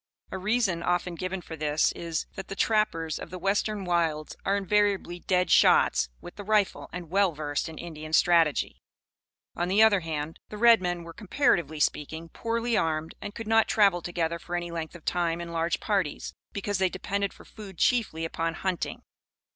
A reason often given for this is, that the trappers of the western wilds are invariably "dead shots" with the rifle and well versed in Indian strategy. On the other hand, the red men were, comparatively speaking, poorly armed, and could not travel together for any length of time in large parties, because they depended for food chiefly upon hunting.